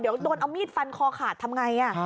เดี๋ยวโดนเอามีดฟันคอขาดทำไง